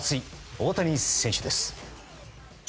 大谷選手です。